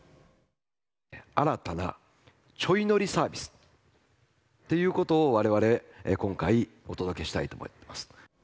新たなちょい乗りサービス、ということをわれわれ、今回お届けしたいと思います。